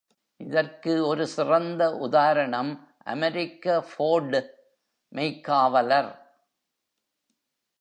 இதற்கு ஒரு சிறந்த உதாரணம் அமெரிக்க ஃபோர்டு மெய்க்காவலர்.